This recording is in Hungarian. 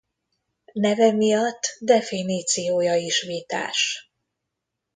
Neve miatt definíciója is vitás.